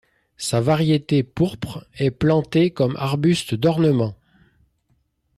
Sa variété pourpre est plantée comme arbuste d'ornement.